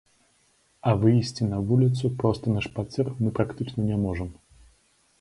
А выйсці на вуліцу проста на шпацыр мы практычна не можам.